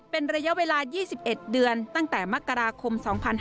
เป็นระยะเวลา๒๑เดือนตั้งแต่มกราคม๒๕๕๙